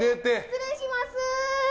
失礼します。